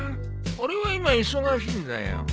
俺は今忙しいんだよ。